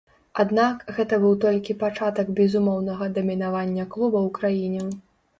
Аднак, гэта быў толькі пачатак безумоўнага дамінавання клуба ў краіне.